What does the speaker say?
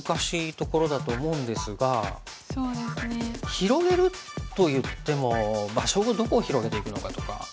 広げるといっても場所をどこを広げていくのかとか。